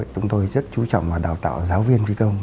chúng tôi rất chú trọng vào đào tạo giáo viên phi công